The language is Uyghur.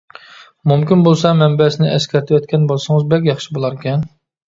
مۇمكىن بولسا مەنبەسىنى ئەسكەرتىۋەتكەن بولسىڭىز بەك ياخشى بولاركەن.